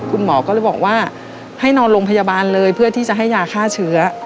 คุณหมอก็เลยบอกว่าให้นอนโรงพยาบาลเลยเพื่อที่จะให้ยาฆ่าเชื้อ